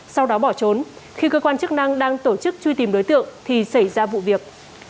sau đó bỏ trốn khi cơ quan chức năng đang tổ chức truy tìm đối tượng thì xảy ra vụ việc